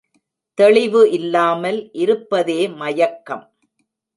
தெளிவு இல்லாமல் இருப்பதே மயக்கம்.